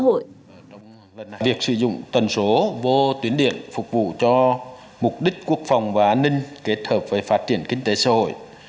quy định trong trường hợp cần thiết thủ tướng lê quốc hùng thứ trưởng bộ công an bày tỏ đồng tình với việc sử dụng tần số vô tuyến điện để phân bổ mục đích quốc phòng an ninh kết hợp với việc phát triển kinh tế xã hội